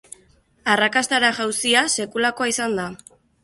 Arrakastara jauzia sekulakoa izan da.